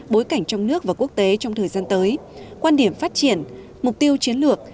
bối cảnh trong nước và quốc tế trong thời gian tới quan điểm phát triển mục tiêu chiến lược